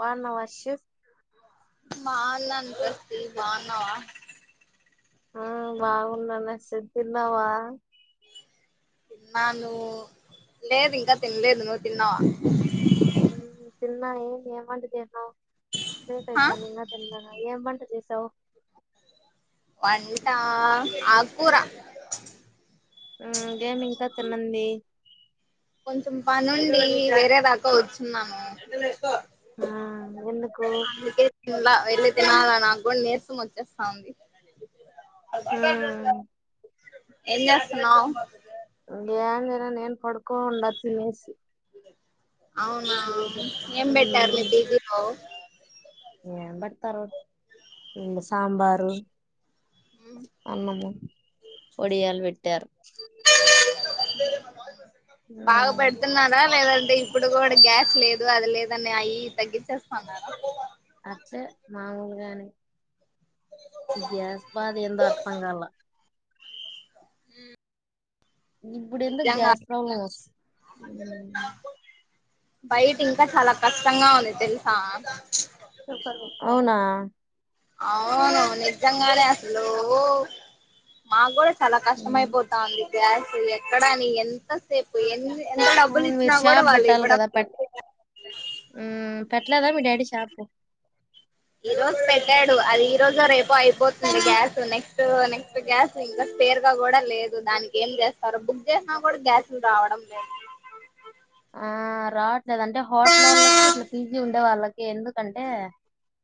బాగున్నావా హర్షిత్ మాాలన్స్తవానా ఆ బాగున్నానే సిద్ధిందవా తిన్నా నువ్వు లేదు ఇంకా తినలేదు నువ్వు తిన్నావా తిన్నా ఏన్ ఏమంటదన్నా. ఆ బేకైతా నింగ తెంద ఏం బంట తెసవు వంట ఆకూర. ఉమ్ ఏమి ఇంకా తినంది కొంచం పనిండి వేరే దాకా వచ్చున్నాము. ఆ ఎందుకో వెళ్ళ తినాలా నాకు కూడా నేస్తం వచ్చేస్తాంది అ ఉమ్ ఏం చేస్తున్నావ్. ఏందిరా నేను పడుకోం తినేసి అవునా ఏం బెట్టరు మీ పీజీలో ఏ బతరో ఈ సాంబారు అన్నము వొడియాలు పెట్టారు లే బాగా ఉమ్ పెడుతున్నారా లేద అంటే ఇప్పుడు కూడా గ్యాస్ లేదు అది లేదని అయ్య తగ్గించేస్తాన్నారు హు. గ్యాస్ బది ఎంతో వర్సంగాలా ఇప్పుడంత నిజంగా గ్యాస్ ప్రబ్లంస్ బయట ఇంకా చాలా కష్టంగా ఉంది తెలుసా చెప్ప అవునా అవును నిజంగానే అసలు మాకుడు చాలా ఉమ్. కష్టమయిపోతాంది. జ్యాస్ ఎక్కడాని ఎంతసేపు ఎంత డబ్బులు అవును ఇచ్చినా మీరు కూడా షాప్ వాళ్ళు పెట్టాలి ఇవ్వడం కదా పెట్ లేదు బట్లాదా మీ డాడీ చాపం ఈ రోజు పెట్టాడు అది ఈ రోజు రేపు అయిపోతుంది గ్యాస్ నెక్స్ట్ నెక్స్ట్ గ్యాస్ ఇంకా పేరుగా కూడా లేదు దానికి ఏం చేస్తారో బుక్ చేసినా కూడా గ్యాస్లు రావడం లేదు ఆ రావట్లేదు అంటే హోటల్ వాళ్ళకి ఇట్లా పిజ్జీ ఉండే వాళ్ళకి ఎందుకంటే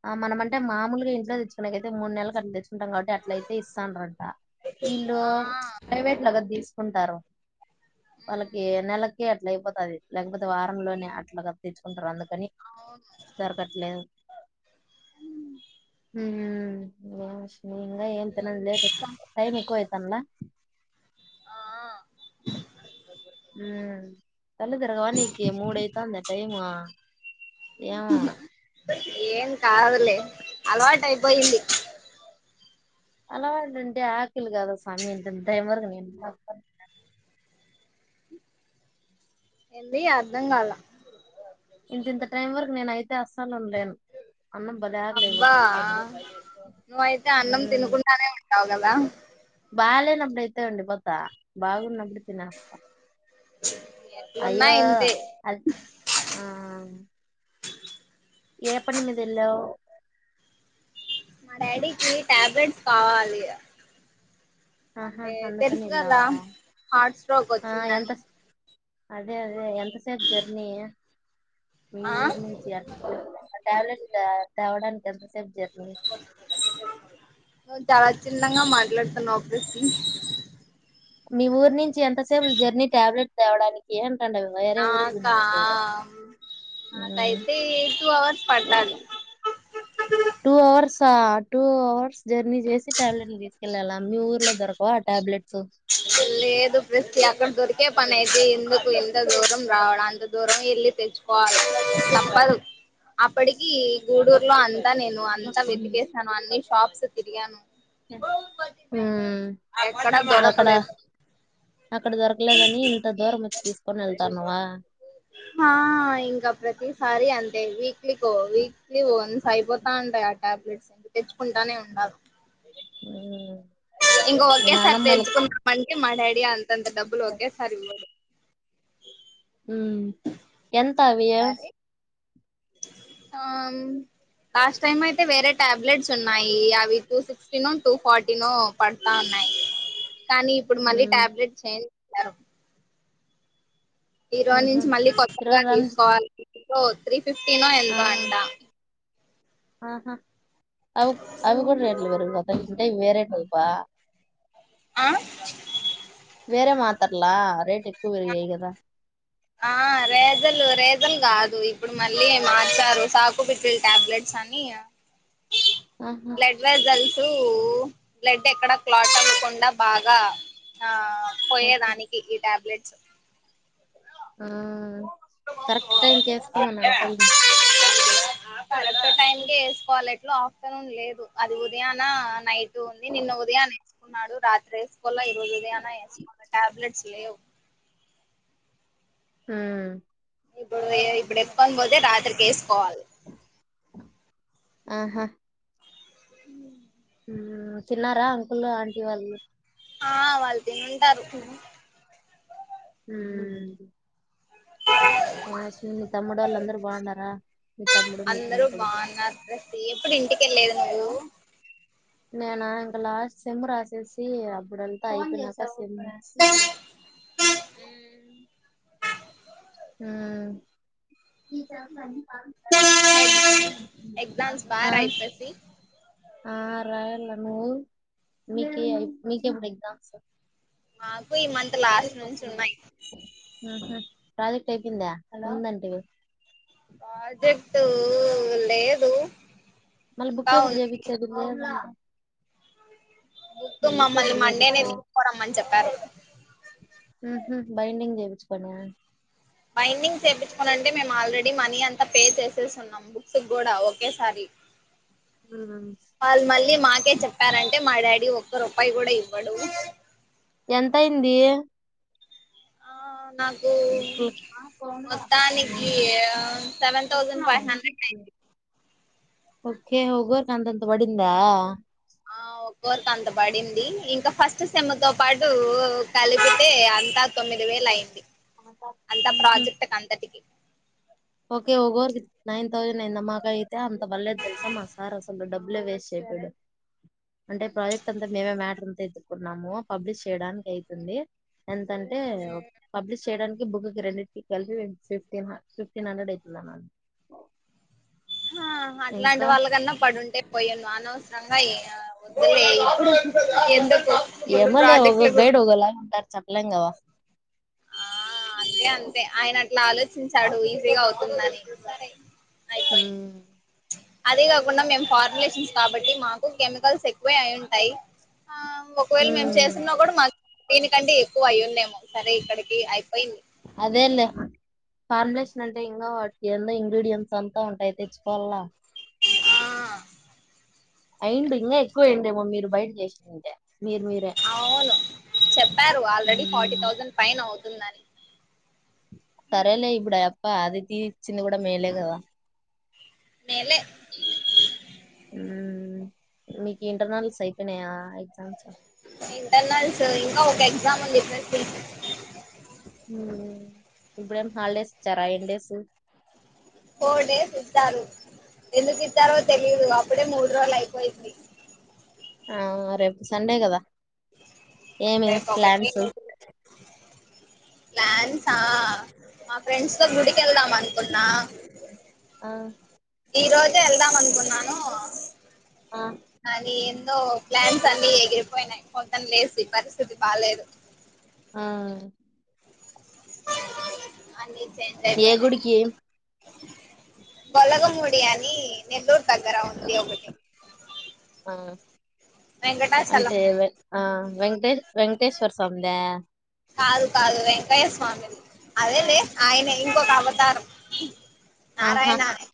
ఆ మనమ అంటే మామూలుగా ఇంట్లో తెచ్చ అనకైతే మూడు నల కచ్చ ఉంటాం కాబట్టి అట్లయితే ఇస్తానంట వీళ్ళు ఆ ప్రైవేట్ లాగా తీసుకుంటారు వాళ్లకి ఉమ్, నెలకి అట్లా అయి. అది లేకపోతే వారంలోనే అట్లా తీచ్చుకుంటారు అందుకని అవును దరకట్లేదు హూ. హు ఇంగా ఏ తన ఏం లేట్ చేస్తాం టైమ్ ఎక్కువ ఐతనలా ఆ హు కల్లు తిరగవా నికి మూడైతాది టైము ఏమొ ఏమ్ కాదులే అలవాటు అయిపోయింది. అలావాటంటే ఆకలి కాదా స్వామి టైం వరకు. ఎంది అర్ధం కాాలే ఇంత ఇంత టైమ్ వరకు నేనయి అస్సలు ఉన్ అబ్బా స్వామి నువ్వయితే అన్నం ఉమ్ తిినకుండానే ఉంటావు కదా. బాగాలేనప్పుడు అయితే ఉండి పోతా బాగున్నప్పుడు తినేస్తా చు చ్. అయ్యో అది ఆ ఏ పని మీదేళ్లవు మా డాడీకి టాబ్లెట్స్ కావాలి. ఆహా అంటే అందుకని తెలుసు కదా ఎల్లావా హార్ట్ స్ట్రోక్ ఆ ఎంత వచ్చిందని అదే అదే ఎంతసేపు జర్నీ. మీ ఆ ఊరు నుంచి అకో టాబ్లెట్ తేవడానికి ఎంతసేపు జర్నీ చాలా చిిన్నంగా మాట్లాడుతున్నావు అనిపిస్తుంది మీ ఊరి నించి చి ఎంత సేపు జర్నీ ట్యాబ్లెట్ తేవడానికి అన్ ఆ అక్క ఆ మాకైతే టూ అవర్స్ పడతంది two hours two hours journey చేసి టాబ్లెట్లు తీసుకెళ్ళాలా మీ ఊర్లో దొరకవా ఆ టాబ్లెట్ లేదు రస్కి అక్కడ దొర్ ఇదే పని అయితే ఎందుకు ఇంత. దూరం రావాలి అంత దూరం వెళ్ళి తెచ్చుకోవాలి తప్పదు అప్పటికి గూడూరులో. నేను అంతా వెతికేసాను అన్ని షాప్స్ తిరిగాం ఊహూ. ఎక్కడ అక్కడ దొరకలేదు అక్కడ దొరకలేదని ఇంత దూరం వచ్చి తీసుకొని వెళ్తాన్నావా ఆ వీకు వీక్లీ వన్స్ అయిపోతా ఉంటాయి టాబ్లెట్స్ తెచ్చుకుంటానే ఉండాలి హ్మ్ ఇంకా మీ ఒకేసారి నాన్నమ్మ తెచ్చుకున్నామంటే మా డాడి అం తఅంత డబ్బులు ఒకేసారి ఇవ్వడు హ్మ్ ఎంత అవి సరే లాస్ట్ టైం అయితే వేరే టాబ్లెట్స్ ఉన్నాయి అవి two sixty no two forty no పడతా ఉన్నాయి కానీ ఇప్పుడు మళ్ళీ ఉమ్ ట్యాబ్లెట్ చే ఈ రోజు ఉహు నుంచి మళ్ళీ ఇరవై కొత్తగా రంజ్ తీసుకోవాలి ఓ త్రీ ఫిఫటీనో ఆ ఎంత అంటా ఆహా అ అవి కూడా రేట్ల వరుత వేర పా ఆహ వేరే మాత్రర్లా ఆ రేజలు రేజ జం కాదు ఇప్పుడు మళ్ళీ మార్చారు సాకుబిట్టిలు టాబ్లెట్స్ అని ఆహా బ్లడ్వాజ అల్సు బ్లడ్ ఎక్కడ క్లాట్ అవ్వకుండా బాగా ఆ పోయే ఓకే దానికి టాబ్లెట్స్ ఆ కరెక్ట్ టైం కేసుకోమను అంకుల్ని ఇంట్లో ఆఫ్టర్నూన్ లేదు అది ఉదయాన నైట్ ఉంది నిన్న ఉదయాన వేసుకున్నాడు రాత్రేస్ మళ్ళా ఈ రోజు ఉదయాన వేసుకోండి టాబ్లెట్స్ లే హ ఇప్పుడు ఇప్పుడు ఎప్పుని పోతే రాత్రికి వేసుకోవాలి ఆహా తిన్నారా అంకుల్ ఆంటీ వాళ్ళు ఆ వాళ్ [inaudible] హ్మ్ [unintelligible] మీ తమ్ముడోళ్ళందరూ బాగుండారా మీ తమ్ముడు మీ అందరూ పిన్ని కొడుకు బాగున్నారు ప్రసి ఎప్పుడు ఇంటికెళ్ళలేదు నువ్వు నేనా ఇంక లాస్ట్ సెమ్ రాసేసి అప్పుడెళ్తా అయిపోయినాక సెమ్. హ్మ్ ఎగ్జామ్స్ బాగా ఆ రాయి ప్రసి ఆ రాయల నువ్వు మీకు ఎప్పుడు ఎగ్జామ్స్ మాకు ఈ మంత్ లాస్ట్ నుంచి ఉన్నాయి ట్ అయిపోందా అలా ఉందంటంటివి ప్రాజెక్ట్ లేదు మళ్ళీ బుక్ ఇంకా ఎప్పుడు ఉంది చెపించేది బుక్ మమ్మల్ని ఎప్పుడు మండేనే చేపిస్తావ్ తీసుకోరమ్మని చెప్పారు బైడింగ్ మంచి పన బైండింగ్ చేయించుకోనింటే మేము ఆల్రెడీ మనీ అంతా పే చేసేసి ఉన్నాం బుక్స్ కూడా ఒకేసారి ఉ వాళ్ళ మళ్ళీ మా చెప్పారంటే మా డాడీ ఒక్క రూపాయి కూడా ఇవ్వడు ఎంతయింది ఆ నాకు బుక్కులకి మొత్తానికి సెవెన్ థౌజండ్ ఫైవ్ హండ్రెడ్ అయింది ఓకే ఒక్కొక్కరికి అంతంత పడిందా ఆ ఒక్కోరికి అంత పడింది ఇంకా ఫస్ట్ సెమ్ తో పాటు కలిపి అయితే అంతా తొమ్మిది వేల అయింది అంతా ప్రాజెక్ట్ క అంతటికి ఓకే ఒకోరికి నైన్ థౌసండ్ అయింద మాక అయితే అంత వల్లే తెలుసా మా సార్ అసలు డబ్బులే వేస్ట్ చెయిడు అంటే ప్రాజెక్ట్ అంతా మేమే మ్యాటర్ అంతా ఎత్తుకున్నాము పబ్లిష్ చేయడానికి అయితుంది ఎంతంటే పబ్లిష యడానికి బుక్ కి రెండింటికి కలిసి ఫిఫ్టీ మార్క్స్ ఫిఫ్టీన్ హండ్రెడ్ అయితుంది అన్నారు అట్లాంటి వాళ్ళకన్నా పడు ఉంటే పోయాను అనవసరంగా ఓ అ ఆ. ఏమోలే ఒక్కొక్క కూడా గైడ్ ఒక్కోలాగా ఉంటారు చప్ప తెలంగావా. ఆ అంతే అంతే ఆయన అట్లా ఆలోచించాడు ఈజీగా అవుతుంద సరే అయిపోయి హ్మ్. అదే కాకుండా మేము ఫార్ములేషన్స్ కాబట్టి మాకు కెమికల్స్ ఎక్కువ అయి ఉంటాయి ఆ ఒకవేళ మేము ఉమ్ చేసన్నా కూడా మా దీనికంటే ఎక్కువ అయ్యిందేమో సరే ఇక్కడికి అయిపోయింది. అదేలే ఫార్ములేషన్ అంటే ఇంకా వాటికి ఎందో ఇంగ్రీడియంట్స్ అంతా ఉంటాయి తెచ్చుకోవాలా. ఆ అయిండు ఇంకా ఎక్కువయండేమో మీరు బయట లేసింటే అవును చెప్పారు ఆల్రెడీ ఫార్టీ ఉమ్, థౌజండ్ పైన అవుతు తుందని సరేలే ఇప్పుడు అ అప్ప అదిథీ ఇచ్చింది కూడా మేలే కదా మేలే మ్ మీకు ఇంటర్నెల్స్ అయిపెయినాయా ఇంటర్నల్స్ ఇంకా ఒక ఎ ఎగ్జాముంది ఫ్రెండ్స్ మ్.... ఇప్పుడెం హాలిడేస్ ఇచ్చారా ఎన్నిడేస్ ఫోర్ డేస్ ఇస్తారు ఎందుకిస్ ఇస్తారో తెలీదు అప్పుడే మూరోజులై వయి [unintelligible] ఆ రేపు సండే కదా ఏమి స్లాండ్స్ [unintelligible] ప్లాన్సా మా ఫ్రెండ్స్ తో గుడికెళ్దాం అనుకున్నా ఆ ఈ రోజే వెళ్దాం అనుకున్నానూ ఆ, అదీ సో ప్లాన్స్ అన్ని ఎగిరిపోయినాయి పొద్ధున లేసి పరిస్థితి బాలేదు ఆ అన్నీ ఏ గుడి కీ బలగంఒడి అని నెల్లూరు దగ్గర ఉంది ఒకటి ఆ వెంకటాచలం అంటే వె ఆ వెంకటే వె ముక్తేశ్వర్ స్వామి దా కాదు కాదువే కాయస్వామిది అదేలే ఆయన ఇంకొక అవతారం నారాయణ అని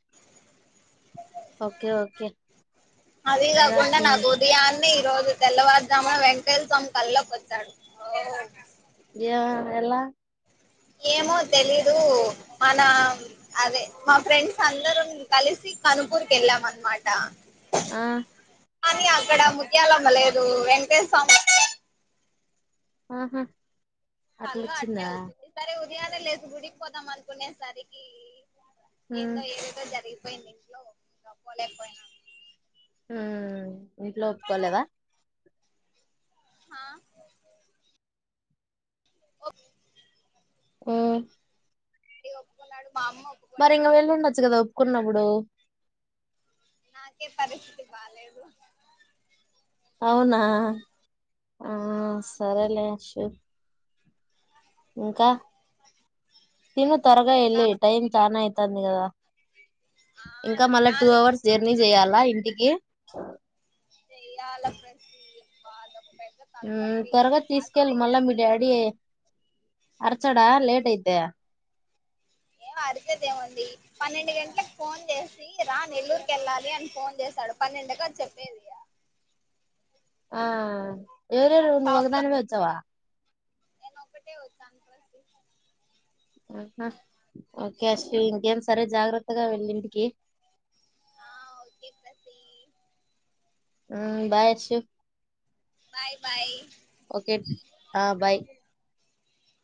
ఓకె ఓకె అదీ గాగుండా నాకు ఉదయాన్నే ఈ రోజు తెల్లవారుజామున వెంకటేశ్వరస్వామి కల్లోకొచ్చాడు.... వావ్ ఏ ఎలా ఏమో తెలీదు మన అదే మా ఫ్రెండ్స్ అందరం కలిసి కనుపూర్ కి వెళ్ళాం అనమాట ఆ కానీ అక్కడ ముత్యాలమ్మ లేదు వెంకటేశ సామ్ మ్.. హు.. హలో ఆట్లా వచ్చ సరే యద కీ లేదు గుడికిపోదాం అనుకునేసరికి హ్మ్. ఏందో ఏమిటో జరిగి పోయిన ఇంట్లో గప్పలేకపోయినాను ఉ ఇట్లో ఒప్పుకోవలేదా హా ఓ ఇ ఒబ్బ నాడు మరి ఇంకా వెళ్ళుండొచ్చు కదా ఒప్పుకున్నప్పుడు నాకే పరిస్థితి బాలేదు అవునా ఆ సరేలే అషు ఇంకా తిను తరగా ఇంకా ఎల్లి టైమ్ చానయితే తంది కదా ఆ ఇంకా మళ్ళా టూ తినాలి అవర్స్ జర్నీ చేయ్యాలా ఇంటికి అ స అలాప్పు కాాల త్వరగా తీసుకెళ్ళి మళ్ళా మీ ఎండకు డాడీ అరచాడా లేట్ అయిత ఏం అరిసేదేముంది పన్నెండు గంటలకి ఫోన్ చేసి రా నెల్లూరుకి వెళ్ళాలి అని ఫోన్ చేసాడు పన్నెండుక చెప్పేది ఆ ఏరేరు వాళ్ళ ఉ ను వకు షాప్ దా లో వచ్చవా నేను ఒకటే వచ్చాను ఆహా! అత్తగా వెళ్ళింటికి ఆ ఓకే ప్రతి బాయ్ అచ్చ బాయ్ బాయ్ ఓకే ఆ బాయ్